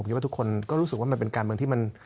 คิดว่าทุกคนก็รู้สึกว่ามันเป็นการเมืองที่มัน